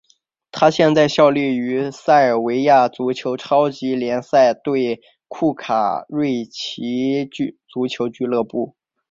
他现在效力于塞尔维亚足球超级联赛球队库卡瑞奇足球俱乐部。